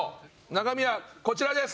中身はこちらです。